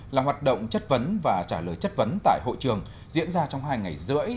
là hoạt động chất vấn và trả lời chất vấn tại hội trường diễn ra trong hai ngày rưỡi